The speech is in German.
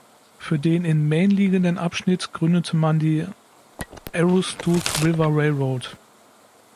Für den in Maine liegenden Abschnitt gründete man die Aroostook River Railroad.